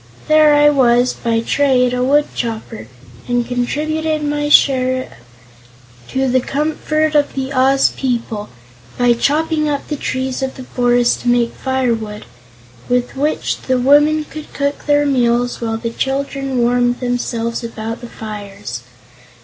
There I was, by trade, a woodchopper, and contributed my share to the comfort of the Oz people by chopping up the trees of the forest to make firewood, with which the women would cook their meals while the children warmed themselves about the fires.